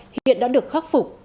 hiện đã được khắc phục